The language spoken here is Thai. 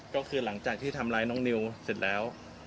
ก็คือหลังจากที่ทำร้ายน้องนิวเสร็จแล้ว